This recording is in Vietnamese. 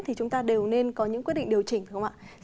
thì chúng ta đều nên có những quyết định điều chỉnh đúng không ạ